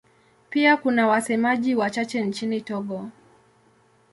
Pia kuna wasemaji wachache nchini Togo.